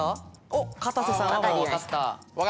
おっかたせさんはもう分かった。